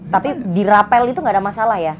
tapi di rapel itu nggak ada masalah ya